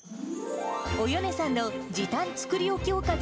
およねさんの時短作り置きおかず